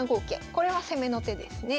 これは攻めの手ですね。